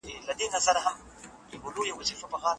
منطق په هره خبره کي باید شتون ولري.